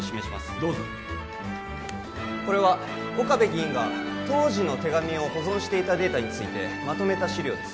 どうぞこれは岡部議員が当時の手紙を保存していたデータについてまとめた資料です